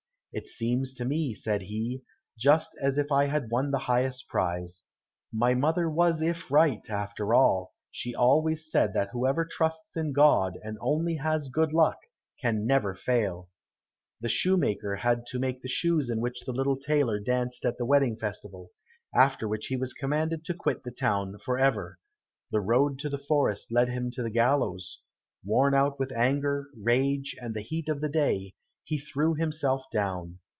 "It seems to me," said he, "just as if I had won the highest prize. My mother was if right after all, she always said that whoever trusts in God and only has good luck, can never fail." The shoemaker had to make the shoes in which the little tailor danced at the wedding festival, after which he was commanded to quit the town for ever. The road to the forest led him to the gallows. Worn out with anger, rage, and the heat of the day, he threw himself down.